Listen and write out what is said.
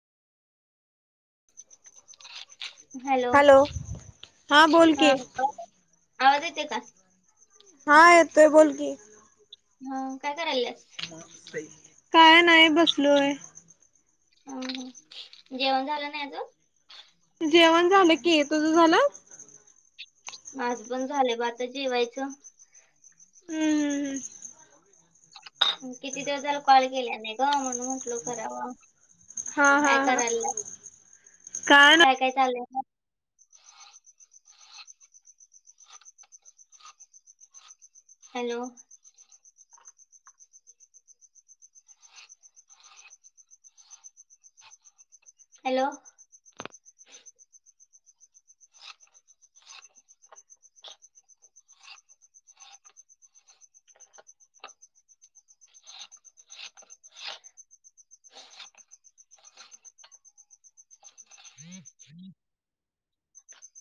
Hello, बोल हा की हॅलो आवाज येते का? हा येतोय, बोल की. हा काय करायलास-? काय नाही बसलोय.. ह ह, जेवण झालं नाय अजुक? जेवण झालं की. तुझं झालं? माझ पण झालंय ब आता जेवायचं. हम्म, हम्म, हम्म. आणि किती दिवस झालं कॉल केला नाही ग. म्हणून म्हटल म्हंटलो करावा. हा हा काय हा करायला, काय काय चालूये? हॅलो. हॅलो.